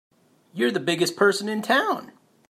You're the biggest person in town!